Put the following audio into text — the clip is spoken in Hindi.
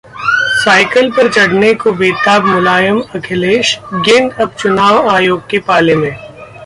'साइकिल' पर चढ़ने को बेताब मुलायम-अखिलेश, गेंद अब चुनाव आयोग के पाले में